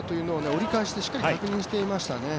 折り返しでしっかり確認していましたね。